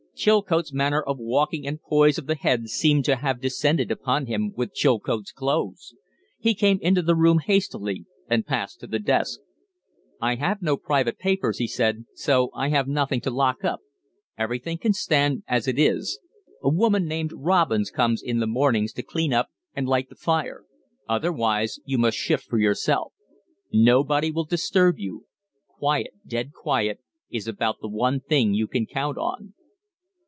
Chilcote's manner of walking and poise of the head seemed to have descended upon him with Chilcote's clothes. He came into the room hastily and passed to the desk. "I have no private papers," he said, "so I have nothing to lock up. Everything can stand as it is. A woman named Robins comes in the mornings to clean up and light the fire; otherwise you must shift for yourself. Nobody will disturb you. Quiet, dead quiet, is about the one thing you can count on."